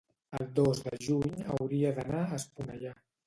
el dos de juny hauria d'anar a Esponellà.